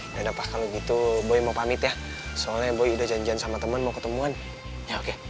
udah pas kalau gitu boy mau pamit ya soalnya boy udah janjian sama temen mau ketemuan ya oke